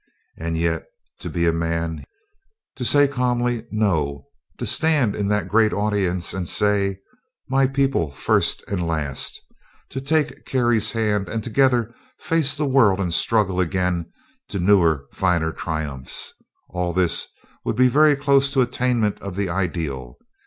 And yet, to be a man; to say calmly, "No"; to stand in that great audience and say, "My people first and last"; to take Carrie's hand and together face the world and struggle again to newer finer triumphs all this would be very close to attainment of the ideal.